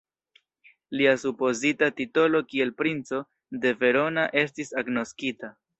Lia supozita titolo kiel princo de Verona estis agnoskita.